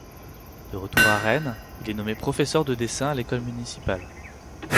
De retour à Rennes, il est nommé professeur de dessin à l’école municipale.